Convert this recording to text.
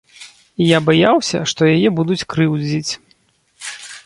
І я баяўся, што яе будуць крыўдзіць.